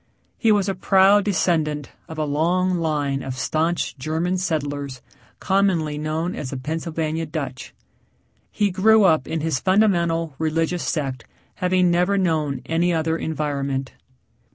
He was a proud descendant of a long line of staunch German settlers commonly known as the Pennsylvania Dutch. He grew up in his fundamental, religious sect having never known any other environment.